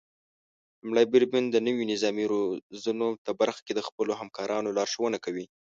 لومړی بریدمن د نويو نظامي روزنو په برخه کې د خپلو همکارانو لارښونه کوي.